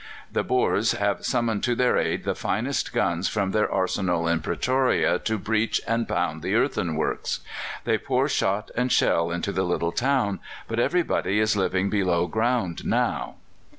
The Boers have summoned to their aid the finest guns from their arsenal in Pretoria to breach and pound the earthworks; they pour shot and shell into the little town: but everybody is living below ground now.